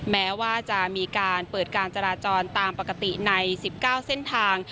แม้ว่าจะมีการเปิดการจราจรตามปกติใน๑๙เส้นทาง